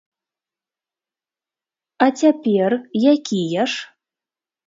А цяпер якія ж?